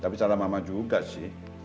tapi salah mama juga sih